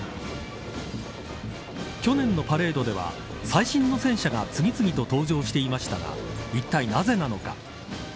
去年のパレードでは最新の戦車が次々と登場していましたがいったいなぜなのか。